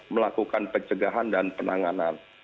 melakukan pencegahan dan penanganan